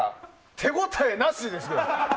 手応えなしですよ。